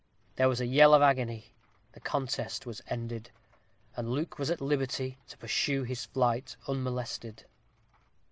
There was a yell of agony the contest was ended, and Luke was at liberty to pursue his flight unmolested.